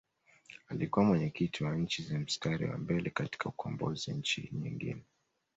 Alikuwa mwenyekiti wa Nchi za Mstari wa Mbele katika ukombozi Nchi nyingine